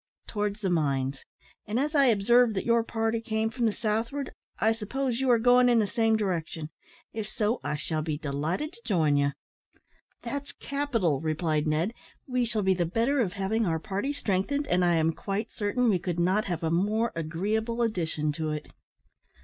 "Towards the mines; and, as I observed that your party came from the southward, I suppose you are going in the same direction. If so, I shall be delighted to join you." "That's capital," replied Ned, "we shall be the better of having our party strengthened, and I am quite certain we could not have a more agreeable addition to it."